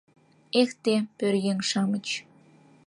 — Эх те, пӧръеҥ-шамыч!